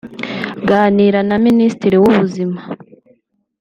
ganira na Minisitiri w’ubuzima